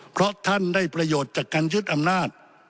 เพราะท่านได้ประโยชน์จากการยึดอำนาจ